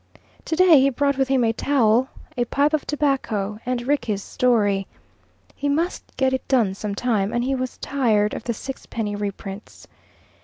Today he brought with him a towel, a pipe of tobacco, and Rickie's story. He must get it done some time, and he was tired of the six penny reprints.